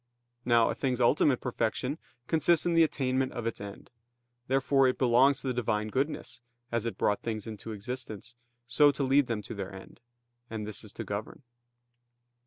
Now a thing's ultimate perfection consists in the attainment of its end. Therefore it belongs to the Divine goodness, as it brought things into existence, so to lead them to their end: and this is to govern.